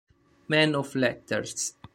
Man of Letters